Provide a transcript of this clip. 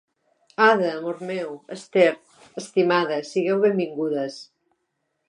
Ada, amor meu, Esther, estimada, sigueu benvingudes.